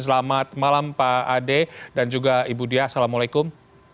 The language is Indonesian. selamat malam pak ade dan juga ibu diah assalamualaikum